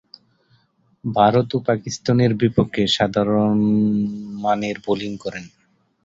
ভারত ও পাকিস্তানের বিপক্ষে সাধারণমানের বোলিং করেন।